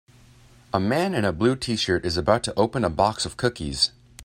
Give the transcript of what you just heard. A man in a blue tshirt is about to open a box of cookies.